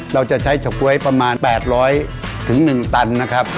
เราจะใช้เฉาก๊วยประมาณ๘๐๐๑ตันนะครับ